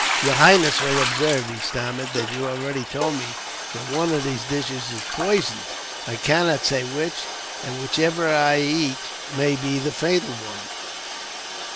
"Your highness will observe," he stammered, "that you have already told me that one of these dishes is poisoned. I cannot say which, and whichever I eat may be the fatal one."